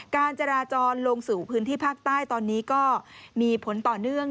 การจราจรลงสู่พื้นที่ภาคใต้ตอนนี้ก็มีผลต่อเนื่อง